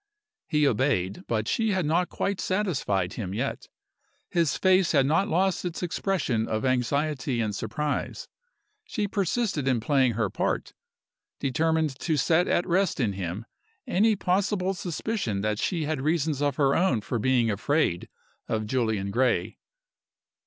He obeyed but she had not quite satisfied him yet. His face had not lost its expression of anxiety and surprise. She persisted in playing her part, determined to set at rest in him any possible suspicion that she had reasons of her own for being afraid of Julian Gray.